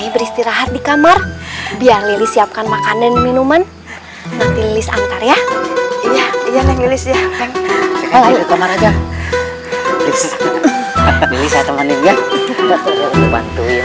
beristirahat di kamar dia lili siapkan makanan minuman nanti list antar ya iya